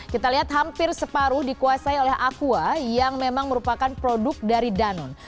kita lihat hampir separuh dikuasai oleh aqua yang memang merupakan produk dari danon